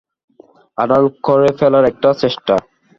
আড়াল করে ফেলার একটা চেষ্টা।